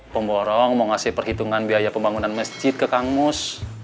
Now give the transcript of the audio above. pemborong mau ngasih perhitungan biaya pembangunan masjid ke kamus